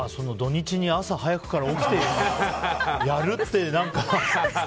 土日に朝早くから起きてやるって。